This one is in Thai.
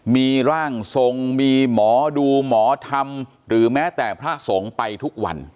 มีร่างทรงมีหมอดูหมอธรรมหรือแม้แต่พระสงฆ์ไปทุกวัน